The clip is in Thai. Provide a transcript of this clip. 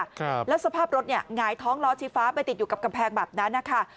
ครับแล้วสภาพรถเนี่ยหงายท้องล้อชี้ฟ้าไปติดอยู่กับกำแพงแบบนั้นนะคะ